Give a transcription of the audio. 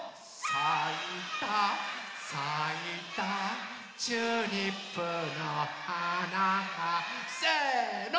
「さいたさいたチューリップのはなが」せの！